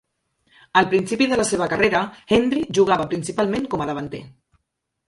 Al principi de la seva carrera, Hendry jugava principalment com a davanter.